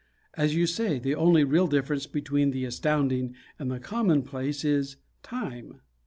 As you say, the only real difference between the Astounding and the Commonplace is Time.